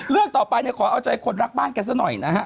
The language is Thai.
เรื่องต่อไปเนี่ยขอเอาใจคนรักบ้านกันซะหน่อยนะฮะ